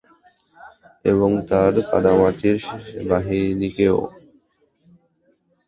এবং, তার কাদামাটির বাহিনীকেও!